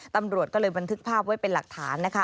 ตำรวจก็เลยบันทึกภาพไว้เป็นหลักฐานนะคะ